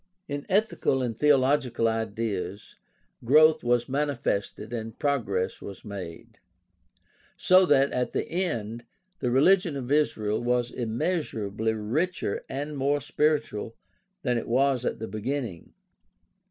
In ethical and theological ideas growth was manifested and progress was made; so that, at the end, the religion of Israel was immeasurably richer and more spiritual than it was at the beginning.